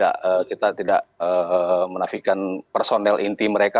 ya kita tidak menafikan personel inti mereka